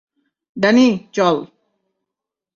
Danny, চল।